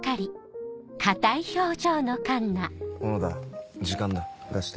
小野田時間だ出して。